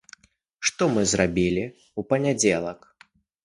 Што мы зрабілі ў панядзелак?